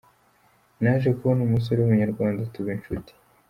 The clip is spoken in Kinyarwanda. Naje kubona umusore w’Umunyarwanda tuba inshuti.